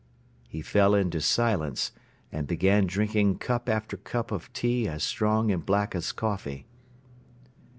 He fell into silence and began drinking cup after cup of tea as strong and black as coffee.